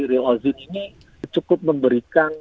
real ozin ini cukup memberikan